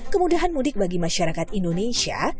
kemudahan mudik bagi masyarakat indonesia